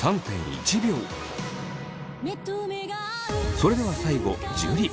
それでは最後樹。